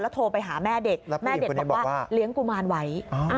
โทรไปหาแม่เด็กแม่เด็กบอกว่าเลี้ยงกุมารไว้